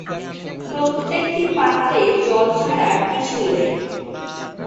প্রত্যেকটি পাত্রে জল ছাড়া আর কিছুই নাই।